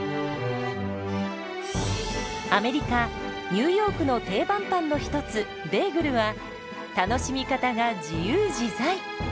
アメリカ・ニューヨークの定番パンの一つベーグルは楽しみ方が自由自在！